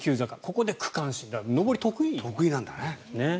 ここで区間賞上り、得意なんですね。